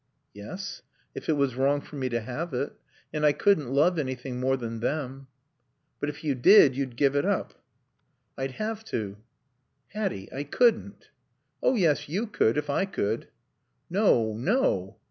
"Yes. If it was wrong for me to have it. And I couldn't love anything more than them." "But if you did, you'd give it up." "I'd have to." "Hatty I couldn't." "Oh, yes, you could if I could." "No. No...."